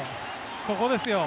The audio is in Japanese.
ここですよ。